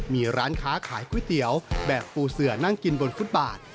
มีร้านค้าขายก๋วยเตี๋ยวแบบปูเสือนั่งกินบนฟุตบาท